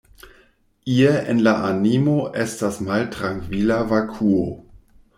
Ie en la animo estas maltrankvila vakuo.